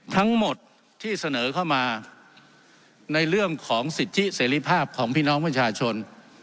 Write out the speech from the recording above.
ทั้งหมดที่เสนอเข้ามาในเรื่องของสิทธิเสรีภาพของพี่น้องประชาชน